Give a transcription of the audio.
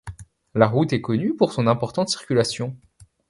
La route est connue pour son importante circulation.